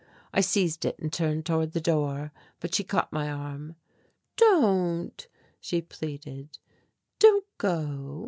I seized it and turned toward the door, but she caught my arm. "Don't," she pleaded, "don't go.